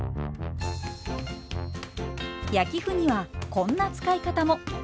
焼き麩にはこんな使い方も。